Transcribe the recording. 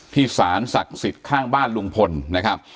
สารศักดิ์สิทธิ์ข้างบ้านลุงพลนะครับ